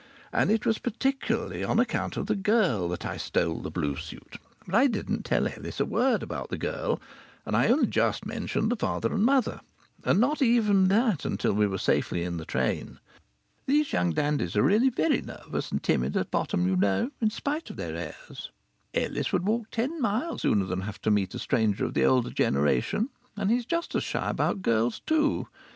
And it was particularly on account of the girl that I stole the blue suit. But I didn't tell Ellis a word about the girl, and I only just mentioned the father and mother and not even that until we were safely in the train. These young dandies are really very nervous and timid at bottom, you know, in spite of their airs. Ellis would walk ten miles sooner than have to meet a stranger of the older generation. And he's just as shy about girls too.